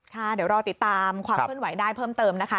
ค่ะเดี๋ยวรอติดตามความเคลื่อนไหวได้เพิ่มเติมนะคะ